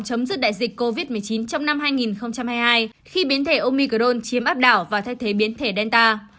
chấm dứt đại dịch covid một mươi chín trong năm hai nghìn hai mươi hai khi biến thể omicron chiếm áp đảo và thay thế biến thể delta